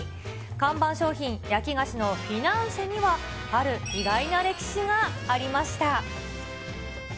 看板商品、焼き菓子のフィナンシェには、ある意外な歴史がありました。